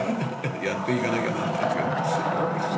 やっていかなきゃならないんですけど。